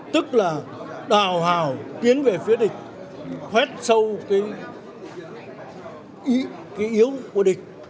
tức là đào hào tiến về phía địch khoét sâu cái yếu của địch